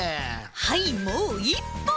はいもう１ぽん。